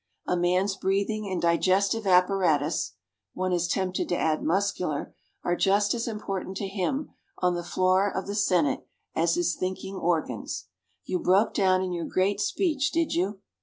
A man's breathing and digestive apparatus (one is tempted to add muscular) are just as important to him on the floor of the Senate as his thinking organs. You broke down in your great speech, did you?